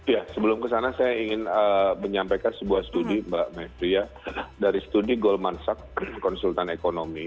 ya sebelum kesana saya ingin menyampaikan sebuah studi mbak mepriya dari studi golmansak konsultan ekonomi